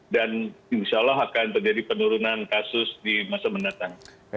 dan insya allah akan terjadi penurunan kasus di masa mendatang